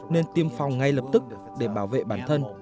nên tiêm phòng ngay lập tức để bảo vệ bản thân